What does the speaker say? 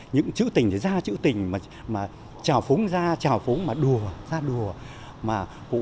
những chữ tình thì ra chữ tình mà chào phúng ra chào phúng mà đùa ra đùa